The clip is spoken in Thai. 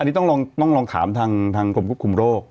อันนี้ต้องลองถามทางกรมควบคุมโรค